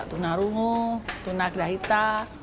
tuna rungu tuna grahita